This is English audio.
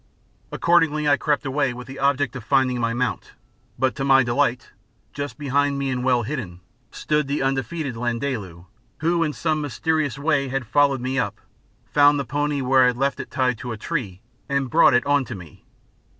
Accordingly I crept away with the object of finding my mount, but to my delight just behind me and well hidden stood the undefeated Landaalu, who in some mysterious way had followed me up, found the pony where I had left it tied to a tree, and brought it on to me.